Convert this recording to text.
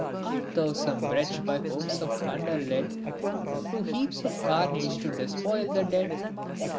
Art thou some wretch by hopes of plunder led, Through heaps of carnage to despoil the dead.